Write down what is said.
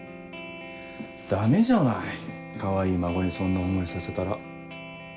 ダメじゃないかわいい孫にそんな思いさせたら。